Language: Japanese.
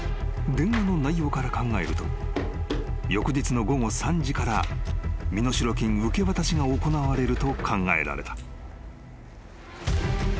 ☎☎☎☎［電話の内容から考えると翌日の午後３時から身代金受け渡しが行われると考えられた］